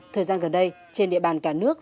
thời gian gần đây trên địa bàn cả nước